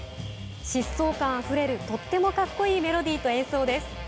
疾走感あふれるとっても格好いいメロディーと演奏です。